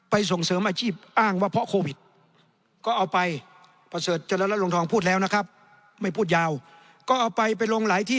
ไปส่งเสริมอาชีพอ้างว่าเพราะโควิด